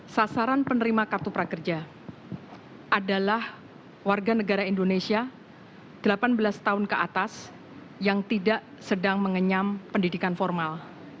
sasaran penerima kartu prakerja adalah warga negara indonesia delapan belas tahun ke atas yang tidak sedang mengenyam pendidikan formal